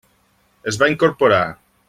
Es va incorporar.